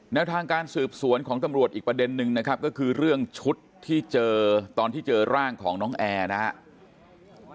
ทางการสืบสวนของตำรวจอีกประเด็นนึงนะครับก็คือเรื่องชุดที่เจอตอนที่เจอร่างของน้องแอร์นะครับ